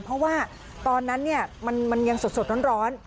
เพราะว่าตอนนั้นมันยังสดร้อน